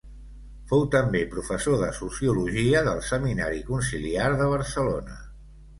Fou també professor de sociologia del Seminari Conciliar de Barcelona.